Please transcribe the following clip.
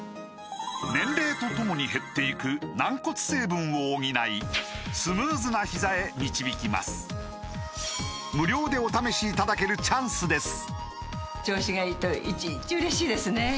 年齢とともに減っていく軟骨成分を補いスムーズなひざへ導きます無料でお試しいただけるチャンスです